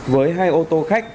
với hai ô tô khách